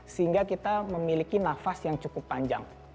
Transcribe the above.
sehingga kita memiliki nafas yang cukup panjang